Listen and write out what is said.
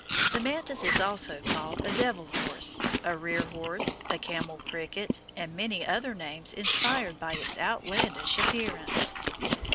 The mantis is also called a devil horse, a rear horse, a camel cricket, and many other names inspired by its outlandish appearance.